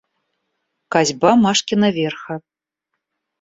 Косьба Машкина Верха.